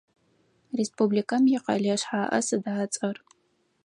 Республикэм икъэлэ шъхьаӏэ сыда ыцӏэр?